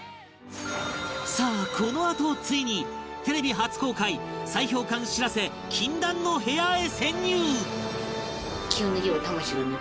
さあこのあとついにテレビ初公開砕氷艦「しらせ」禁断の部屋へ潜入！